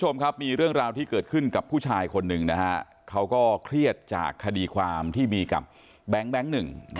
มีเรื่องราวที่เกิดขึ้นกับผู้ชายคนหนึ่งเขาก็เครียดจากคดีความที่มีกับแบ๊งค์หนึ่ง